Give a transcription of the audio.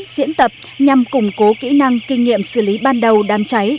diễn tập nhằm củng cố kỹ năng kinh nghiệm xử lý ban đầu đám cháy